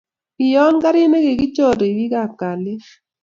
koyon garit ne kokichor ribiik ab kalyet